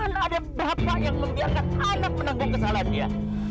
karena ada bapak yang membiarkan anak menanggung kesalahan dia